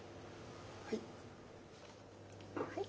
はい。